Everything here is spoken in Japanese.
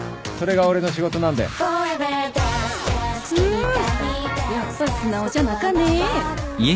うやっぱ素直じゃなかね。